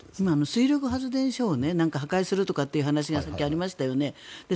水力発電所を破壊するとかという話がさっきありましたよね。